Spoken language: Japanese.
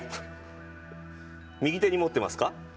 右手に持ってますか？